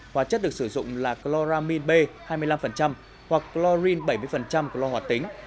hóa chất được sử dụng là chloramine b hai mươi năm hoặc chlorine bảy mươi của lo hoạt tính